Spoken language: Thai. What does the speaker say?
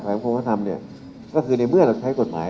แผงโภคธรรมเนี่ยก็คือในเมื่อเราใช้กฎหมาย